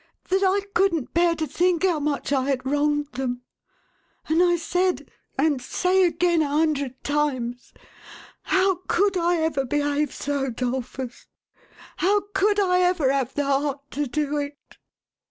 — that I couldn't bear to think how much I had wronged them ; and I said, and say again a hundred times, how could I ever behave so, 'Dolphus, how could I ever have the heart to do it